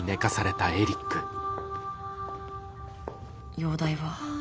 容体は？